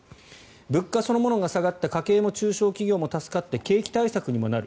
物価そのものが下がった家計も中小企業も助かって景気対策にもなる。